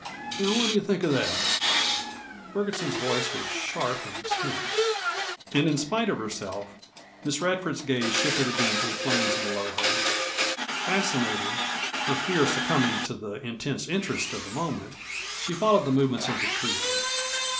Now, what do you think of that?" Ferguson's voice was sharp and tense, and, in spite of herself, Miss Radford's gaze shifted again to the plains below her. Fascinated, her fear succumbing to the intense interest of the moment, she followed the movements of the trio.